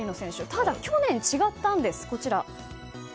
ただ、去年は違ったんです。